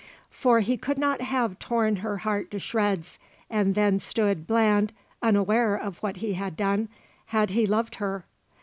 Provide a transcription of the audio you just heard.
For he could not have torn her heart to shreds and then stood bland, unaware of what he had done, had he loved her.